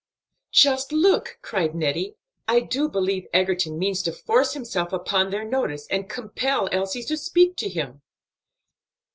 "Just look!" cried Nettie, "I do believe Egerton means to force himself upon their notice and compel Elsie to speak to him."